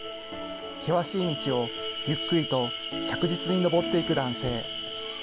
険しい道をゆっくりと着実に登っていく男性。